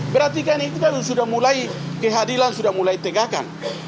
berarti kan kita sudah mulai kehadilan sudah mulai tinggalkan